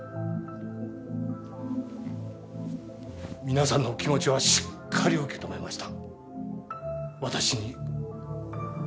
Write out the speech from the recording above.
皆さんのお気持ちはしっかり受け止めました。